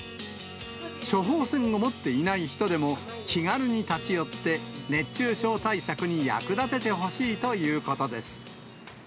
処方箋を持っていない人でも、気軽に立ち寄って、熱中症対策に役立ててほしいということです。